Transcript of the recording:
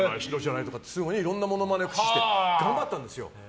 いろんなモノマネをして頑張ったんですよ。